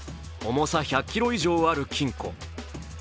重さ１００ｋｇ以上ある金庫。